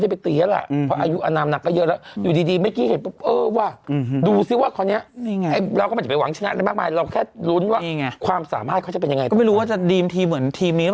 จะบ้างพวกอะสุดต้องค่ะอาจจะเป็นครั้งสุดท้ายของเขาในปีนี้